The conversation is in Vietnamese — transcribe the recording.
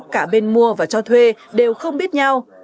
cả bên mua và cho thuê đều không biết nhau